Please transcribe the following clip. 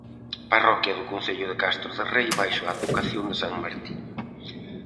Parroquia do concello de Castro de Rei baixo a advocación de san Martiño.